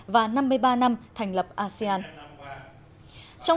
và năm mươi ba năm thành lập asean